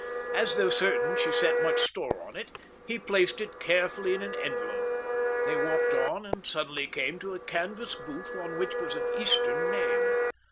As though certain she set much store on it, he placed it carefully in an envelope. They walked on and suddenly came to a canvas booth on which was an Eastern name.